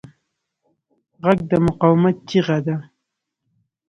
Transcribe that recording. غږ د مقاومت چیغه ده